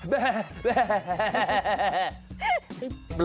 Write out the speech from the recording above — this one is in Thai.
แบ๊ะแบ๊ะ